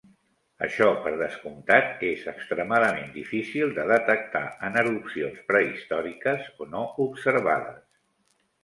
Això, per descomptat, és extremadament difícil de detectar en erupcions prehistòriques o no observades.